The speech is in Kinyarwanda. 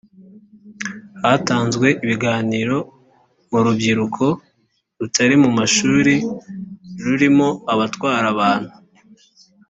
hatanzwe ibiganiro mu rubyiruko rutari mu mashuri rurimo abatwara abantu